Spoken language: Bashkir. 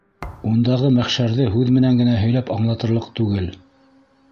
Ундағы мәхшәрҙе һүҙ менән генә һөйләп аңлатырлыҡ түгел.